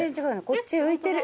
こっち浮いてる。